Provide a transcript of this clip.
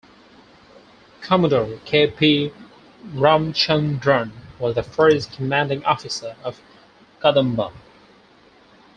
Commodore K P Ramachandran was the first Commanding Officer of "Kadamba".